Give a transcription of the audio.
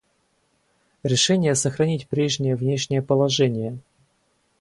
Решение сохранить прежнее внешнее положение.